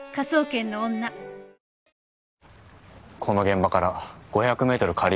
この現場から５００メートル